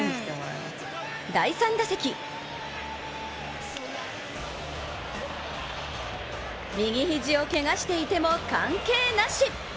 第３打席右肘をけがしていても、関係なし！